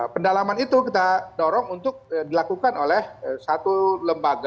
pendalaman itu kita dorong untuk dilakukan oleh satu lembaga